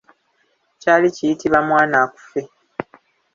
Kyali kiyitibwa mwanaakufe.